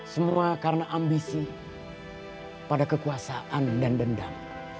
semua karena ambisi pada kekuasaan dan dendam